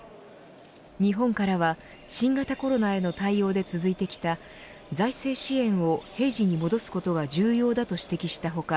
日本からは新型コロナへの対応で続いてきた財政支援を平時に戻すことが重要だと指摘した他